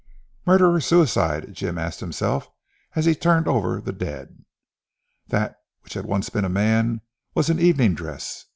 "Murder or suicide?" Jim asked himself as he turned over the dead. That, which had once been a man, was in evening dress.